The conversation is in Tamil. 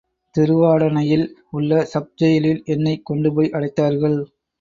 திருவாடானையில் உள்ள சப் ஜெயிலில் என்னைக் கொண்டுபோய் அடைத்தார்கள்.